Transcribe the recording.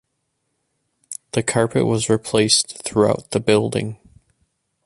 The carpet was replaced throughout the building.